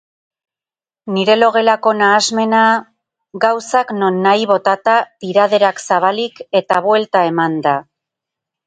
Nire logelako nahasmena... gauzak nonahi botata, tiraderak zabalik eta buelta emanda.